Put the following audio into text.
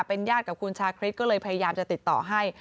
เป็นญาติกับคุณชาคริสก็เลยพยายามจะติดต่อให้